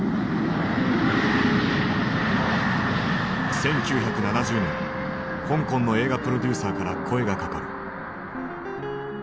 １９７０年香港の映画プロデューサーから声がかかる。